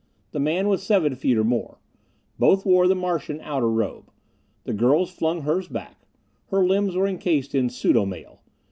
The man was seven feet or more. Both wore the Martian outer robe. The girl flung hers back. Her limbs were encased in pseudo mail.